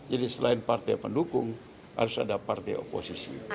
jadi selain partai pendukung harus ada partai oposisi